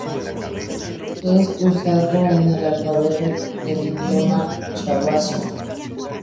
Es usado en el alfabeto del idioma chuvasio.